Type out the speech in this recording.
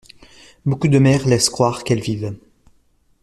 Beaucoup de mères laissent croire qu'elles vivent.